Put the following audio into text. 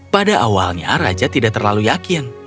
pada awalnya raja tidak terlalu yakin